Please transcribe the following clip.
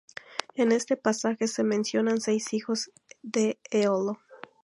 En este pasaje se mencionan seis hijos de Eolo.